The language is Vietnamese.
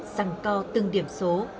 sẵn co từng điểm số